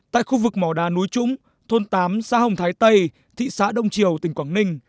tại khu vực mỏ đá núi trũng thôn tám xã hồng thái tây thị xã đông triều tỉnh quảng ninh